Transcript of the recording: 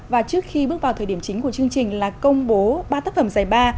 và trước khi bước vào thời điểm chính của chương trình là công bố ba tác phẩm giải ba